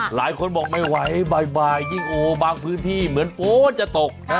หลายคนบอกไม่ไหวบ่ายยิ่งโอ้บางพื้นที่เหมือนฝนจะตก